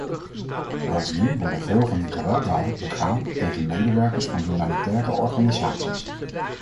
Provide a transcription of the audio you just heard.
Bovendien worden veel van die gewelddaden begaan tegen medewerkers van humanitaire organisaties.